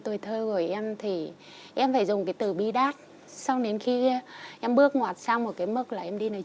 tuổi thơ của em thì em phải dùng cái từ bi đát sau đến khi em bước ngoặt sang một cái mức là em đi nơi